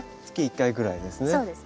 月１回ぐらいですね。